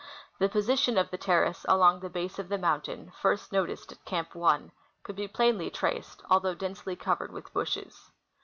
The position of the terrace along the base of the mountain, first noticed at C'amp 1, could be plainly traced, although densely covered with bushes.